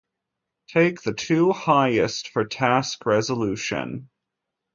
Take the two highest for task resolution.